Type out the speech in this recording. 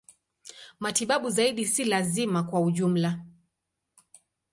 Matibabu zaidi si lazima kwa ujumla.